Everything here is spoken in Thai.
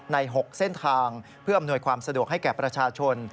๖เส้นทางเพื่ออำนวยความสะดวกให้แก่ประชาชน